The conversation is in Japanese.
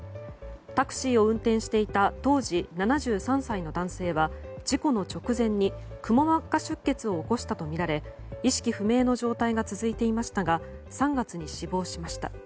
タクシーを運転していた当時７３歳の男性は事故の直前にくも膜下出血を起こしたとみられ意識不明の状態が続いていましたが３月に死亡しました。